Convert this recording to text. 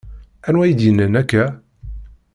Anwa i d-yennan akka?